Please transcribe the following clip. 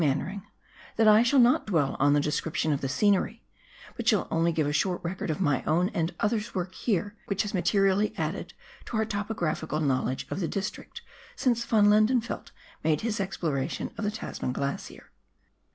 Mannering,* that I shall not dwell on the description of the scenery, but shall only give a short record of my own and others' work here, which has materially added to our topographical knowledge of the district since Yon Lendenfeldt made his exploration of the Tasman Glacier.